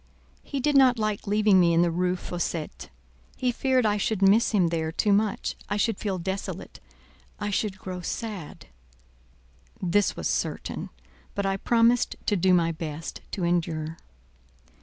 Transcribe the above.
"He did not like leaving me in the Rue Fossette; he feared I should miss him there too much—I should feel desolate—I should grow sad—?" This was certain; but I promised to do my best to endure.